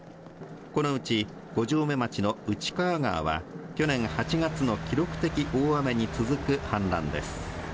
このうち五城目町の内川川は、去年８月の記録的大雨に続く氾濫です。